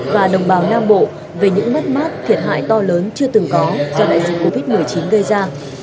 và đồng bào nam bộ về những mất mát thiệt hại to lớn chưa từng có do đại dịch covid một mươi chín gây ra